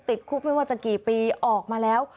ติดคุกไม่ว่าจะกี่ปีออกมาแล้ว